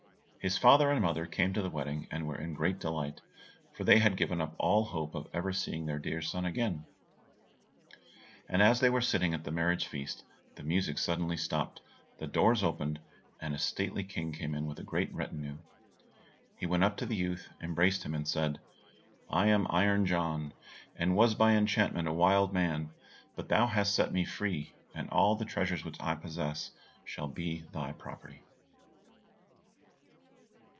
His father and mother came to the wedding, and were in great delight, for they had given up all hope of ever seeing their dear son again. And as they were sitting at the marriage feast, the music suddenly stopped, the doors opened, and a stately King came in with a great retinue. He went up to the youth, embraced him and said, "I am Iron John, and was by enchantment a wild man, but thou hast set me free; all the treasures which I possess, shall be thy property."